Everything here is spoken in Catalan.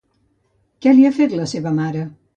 Què li ha fet la seva mare?